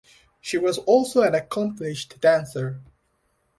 She was also an accomplished dancer.